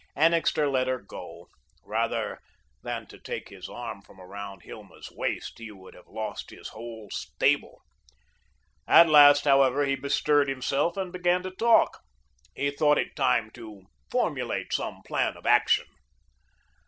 Annixter let her go. Rather than to take his arm from around Hilma's waist he would have lost his whole stable. At last, however, he bestirred himself and began to talk. He thought it time to formulate some plan of action.